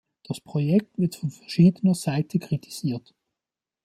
Das Projekt wird von verschiedener Seite kritisiert.